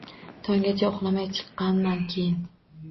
Tonggacha uxlamay chiqaman keyin.